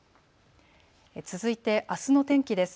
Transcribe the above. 続いてあすの天気です。